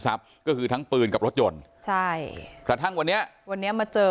ก็คือทั้งปืนกับรถยนต์ใช่กระทั่งวันนี้วันนี้มาเจอ